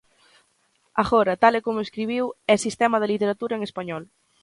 Agora, tal e como escribiu, é sistema da literatura en español.